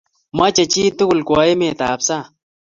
Mache chi tukul kwo emet ap sang'.